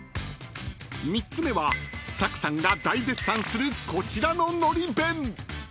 ［３つ目はサクさんが大絶賛するこちらののり弁］